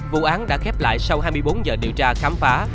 vụ án đã khép lại sau hai mươi bốn giờ điều tra khám phá